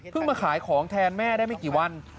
มาขายของแทนแม่ได้ไม่กี่วัน